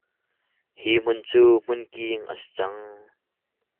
Hi hmun cu hmun king a si cang.